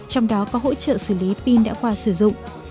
trong đó có hỗ trợ xử lý pin đã qua sử dụng